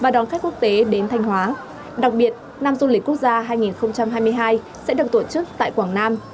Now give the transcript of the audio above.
đặc biệt năm du lịch quốc gia hai nghìn hai mươi hai sẽ được tổ chức tại quảng nam